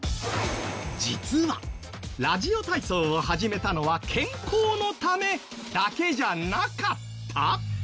実はラジオ体操を始めたのは健康のためだけじゃなかった！？